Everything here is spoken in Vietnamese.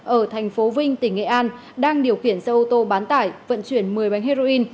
ở thành phố vinh tỉnh nghệ an đang điều khiển xe ô tô bán tải vận chuyển một mươi bánh heroin